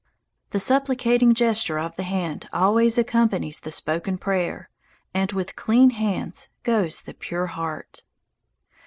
The supplicating gesture of the hand always accompanies the spoken prayer, and with clean hands goes the pure heart.